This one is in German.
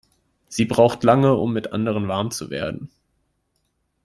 Sie braucht lange, um mit anderen warm zu werden.